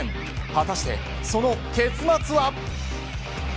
果たして、その結末は。